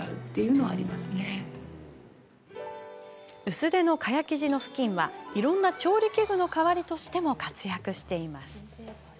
薄手の蚊帳生地のふきんはいろんな調理器具の代わりとしても活躍しています。